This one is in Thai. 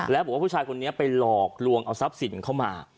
แล้วบอกว่าผู้ชายคนนี้ไปหลอกลวงเอาทรัพย์สินเข้ามา